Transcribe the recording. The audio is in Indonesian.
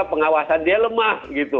pengawasan dia lemah gitu